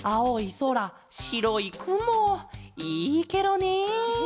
そらしろいくもいいケロね。